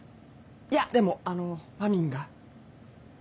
いやでもあのまみんが。